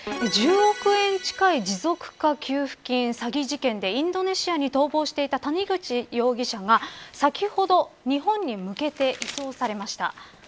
１０億円近い持続化給付金詐欺事件でインドネシアに逃亡していた谷口容疑者が先ほど日本に向けて移送されました。